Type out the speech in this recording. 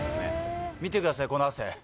見てください、この汗。